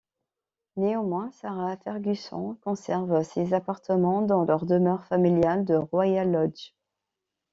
Néanmoins, Sarah Ferguson conserve ses appartements dans leur demeure familiale de Royal Lodge.